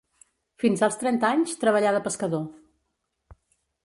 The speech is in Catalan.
Fins als trenta anys treballà de pescador.